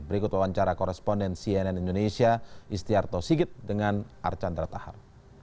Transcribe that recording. berikut wawancara koresponden cnn indonesia istiarto sigit dengan archandra tahar